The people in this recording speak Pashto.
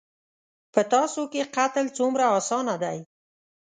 _په تاسو کې قتل څومره اسانه دی.